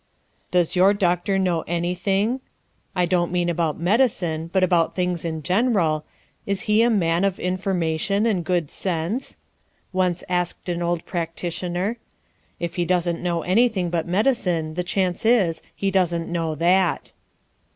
"Does your doctor know any thing I don't mean about medicine, but about things in general, is he a man of information and good sense?" once asked an old practitioner. "If he doesn't know anything but medicine the chance is he doesn't know that."